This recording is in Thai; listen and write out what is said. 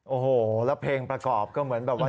โอ้โหแล้วเพลงประกอบก็เหมือนแบบว่า